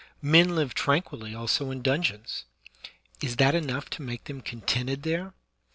Men live tranquilly also in dungeons; is that enough to make them contented there